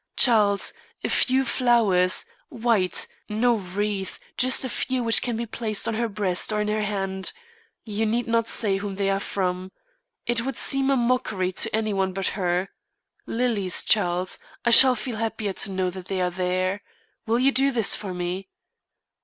Charles, a few flowers, white no wreath, just a few which can be placed on her breast or in her hand. You need not say whom they are from. It would seem a mockery to any one but her. Lilies, Charles. I shall feel happier to know that they are there. Will you do this for me?"